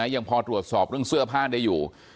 ยังพอตรวจสอบเรื่องเสื้อผ้าได้อยู่